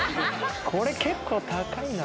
これ結構高いな。